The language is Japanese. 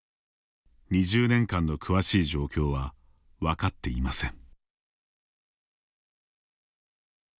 ２０年間の詳しい状況は分かっていません。